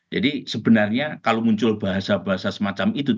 jadi sebenarnya kalau muncul bahasa bahasa semacam itu